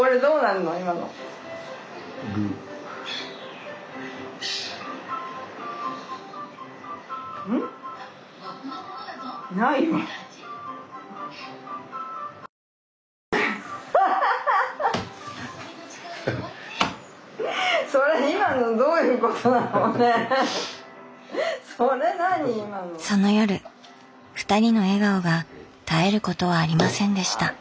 その夜ふたりの笑顔が絶えることはありませんでした。